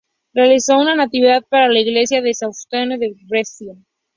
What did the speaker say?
Realizó una Natividad para la iglesia de San Faustino en Brescia.